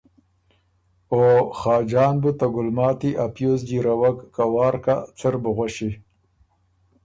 او خاجان بُو ته ګلماتی ا پیوز جیرَوک که وار کۀ څۀ ر بُو غؤݭی؟